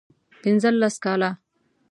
پنځه لس کاله